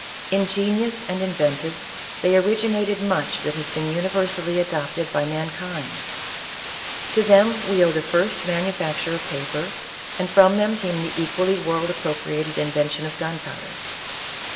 Ingenious and inven tive, they originated much that has been universally adopted by mankind. To them we owe the first manu facture of paper, and from them came the equally world appropriated invention of gunpowder.